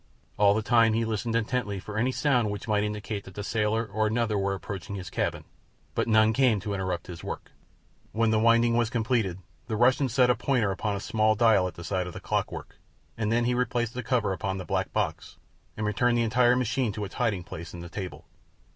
All the time he listened intently for any sound which might indicate that the sailor or another were approaching his cabin; but none came to interrupt his work. When the winding was completed the Russian set a pointer upon a small dial at the side of the clockwork, then he replaced the cover upon the black box, and returned the entire machine to its hiding place in the table.